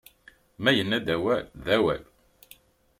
Ma yenna-d awal, d awal!